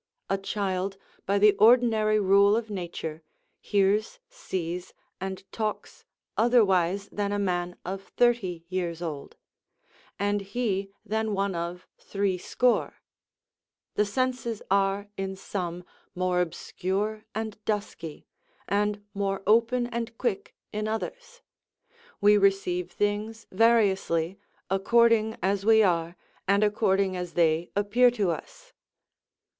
A child, by the ordinary rule of nature, hears, sees, and talks otherwise than a man of thirty years old; and he than one of threescore. The senses are, in some, more obscure and dusky, and more open and quick in others. We receive things variously, according as we are, and according as they appear to us.